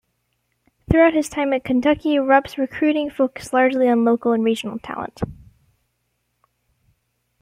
Throughout his time at Kentucky, Rupp's recruiting focused largely on local and regional talent.